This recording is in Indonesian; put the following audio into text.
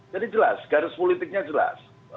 jadi jelas garis politiknya jelas